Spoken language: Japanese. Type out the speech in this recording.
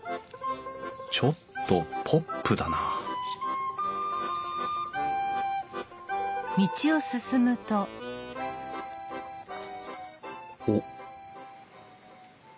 ちょっとポップだなおっ？